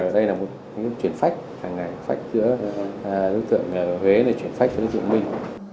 đây là một hình thức chuyển phách hàng ngày phách giữa đối tượng huế chuyển phách cho đối tượng mình